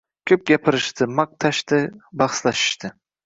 Koʻp gapirishdi, maqtashdi, bahslashishdi.